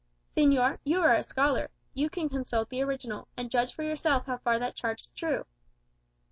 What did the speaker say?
"Señor, you are a scholar; you can consult the original, and judge for yourself how far that charge is true."